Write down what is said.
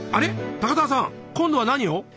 高沢さん今度は何を？